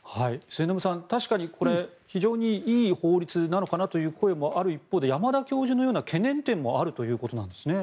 末延さん、確かに非常にいい法律なのかなという声もある一方で山田教授のような懸念点もあるということなんですね。